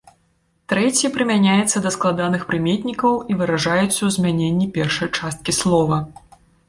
Трэці прымяняецца да складаных прыметнікаў і выражаецца ў змяненні першай часткі слова.